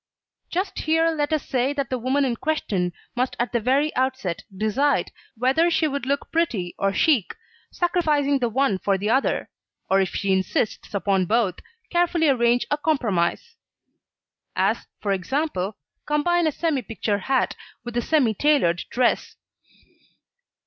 Just here let us say that the woman in question must at the very outset decide whether she would look pretty or chic, sacrificing the one for the other, or if she insists upon both, carefully arrange a compromise. As for example, combine a semi picture hat with a semi tailored dress.